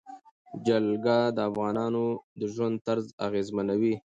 جلګه د افغانانو د ژوند طرز اغېزمنوي.